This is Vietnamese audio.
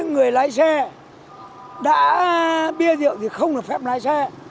người lái xe đã bia rượu thì không được phép lái xe